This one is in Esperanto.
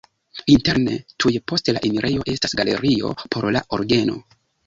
Interne tuj post la enirejo estas galerio por la orgeno.